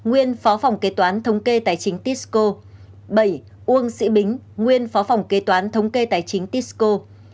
bảy uông sĩ bính nguyên phó phòng kế toán thống kê tài chính tisco